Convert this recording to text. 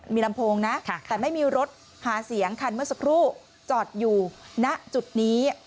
มีลำโพงนะแต่ไม่มีรถหาเสียงคันเมื่อสักครู่จอดอยู่ณจุดนี้